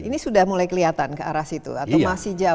ini sudah mulai kelihatan ke arah situ atau masih jauh